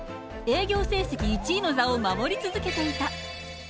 営業成績１位の座を守り続けていた。